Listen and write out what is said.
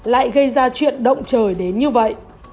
lại gây ra chuyện động trời đến như vậy